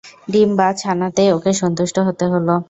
ডিম বা ছানাতেই ওকে সন্তুষ্ট হতে হল।